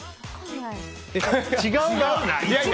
違うな！